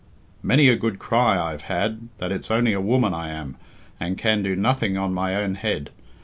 Many a good cry I've had that it's only a woman I am, and can do nothing on my own head.